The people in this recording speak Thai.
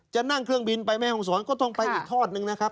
จะนั่งเครื่องบินไปแม่ห้องศรก็ต้องไปอีกทอดนึงนะครับ